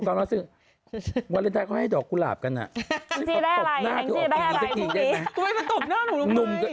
คุณไปจากดอปหน้าหนูลุกไง